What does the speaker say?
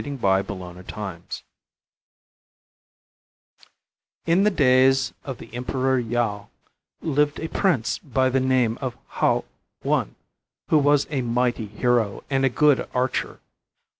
XIX THE LADY OF THE MOON In the days of the Emperor Yau lived a prince by the name of Hou I, who was a mighty hero and a good archer.